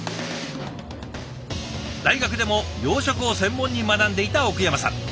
大学でも養殖を専門に学んでいた奥山さん。